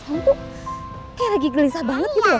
kamu tuh kayak lagi gelisah banget gitu loh